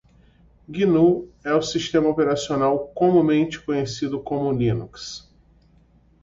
Gnu é o sistema operacional comumente conhecido como Linux.